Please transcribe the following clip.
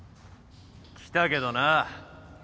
・来たけどな。